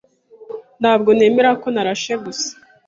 Ntabwo nemera ko narashe gusa.